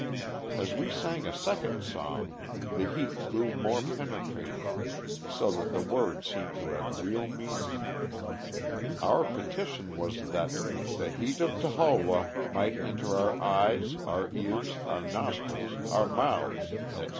As we sang a second song the heat grew more penetrating, so that the words seemed to have real meaning. Our petition was that "the heat of Toholwoh might enter our eyes, our ears, our nostrils, our mouths," etc.